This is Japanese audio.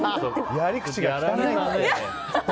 やり口が汚い。